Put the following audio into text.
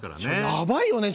やばいよね